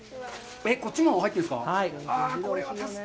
こっちも入ってるんですか？